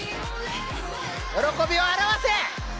喜びを表せ！